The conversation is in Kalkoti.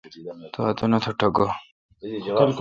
تو انیت ٹھوکہ۔